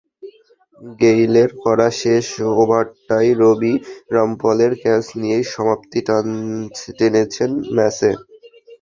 গেইলের করা শেষ ওভারটায় রবি রামপলের ক্যাচ নিয়েই সমাপ্তি টেনেছেন ম্যাচে।